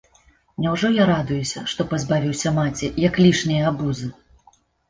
Няўжо я радуюся, што пазбавіўся маці, як лішняе абузы?